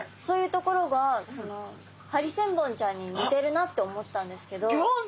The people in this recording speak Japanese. そういうところがハリセンボンちゃんに似てるなって思ったんですけど。